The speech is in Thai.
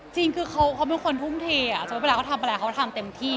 จริงคือเขาเป็นคนทุ่มเทจนกว่าไปแล้วเขาทำไปแล้วเขาทำเต็มที่